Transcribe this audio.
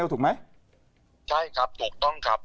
ใช่ครับถูกต้องครับ